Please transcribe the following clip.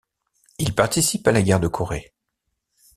Il participe à la guerre de Corée.